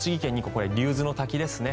これは竜頭ノ滝ですね。